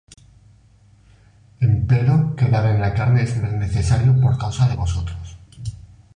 Empero quedar en la carne es más necesario por causa de vosotros.